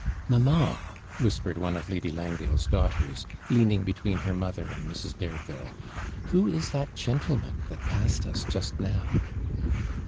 'Mamma,' whispered one of Lady Langdale's daughters, leaning between her mother and Mrs. Dareville, 'who is that gentleman that passed us just now?'